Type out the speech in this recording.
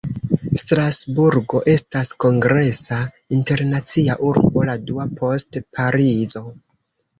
Strasburgo estas kongresa internacia urbo, la dua post Parizo.